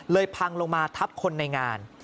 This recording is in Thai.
พังลงมาทับคนในงาน